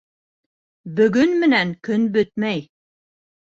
Бөгөн менән көн бөтмәй.